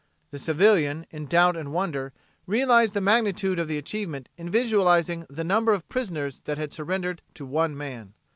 The civilian, in doubt and wonder, realized the magnitude of the achievement in visualizing the number of prisoners that had surrendered to one man.